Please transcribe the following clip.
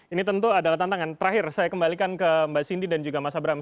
ini tentu adalah tantangan terakhir saya kembalikan ke mbak cindy dan juga mas abram